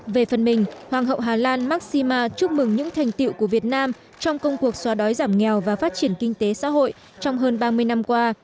về phần mình hoàng hậu hà lan markshima chúc mừng những thành tiệu của việt nam trong công cuộc xóa đói giảm nghèo và phát triển kinh tế xã hội trong hơn ba mươi năm qua